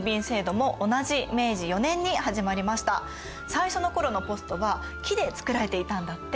最初の頃のポストは木で作られていたんだって。